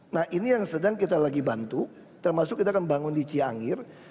nah ini yang sedang kita lagi bantu termasuk kita akan bangun di ciangir